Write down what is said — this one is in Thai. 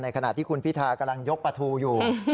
ขณะที่คุณพิทากำลังยกประทูอยู่